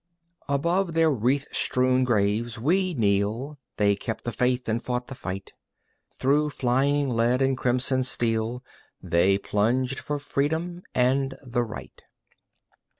Above their wreath strewn graves we kneel, They kept the faith and fought the fight. Through flying lead and crimson steel They plunged for Freedom and the Right.